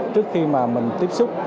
trước khi mà mình tiếp xúc